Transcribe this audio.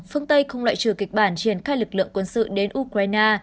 phương tây không loại trừ kịch bản triển khai lực lượng quân sự đến ukraine